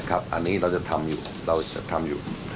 อันนี้เราจะทำอยู่